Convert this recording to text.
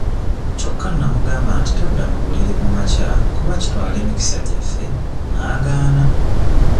Kyokka namugamba nti todda mu buliri ku makya kuba kitwala emikisa gyaffe n'agaana.